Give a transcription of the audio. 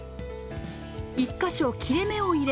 １か所切れ目を入れ